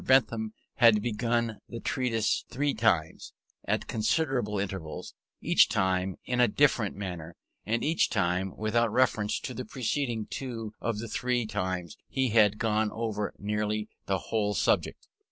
Bentham had begun this treatise three time's, at considerable intervals, each time in a different manner, and each time without reference to the preceding: two of the three times he had gone over nearly the whole subject.